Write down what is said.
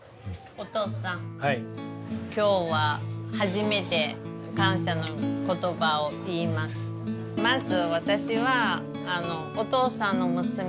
お父さん今日は初めて感謝の言葉を言います。